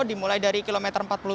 dimulai dari kilometer empat puluh tujuh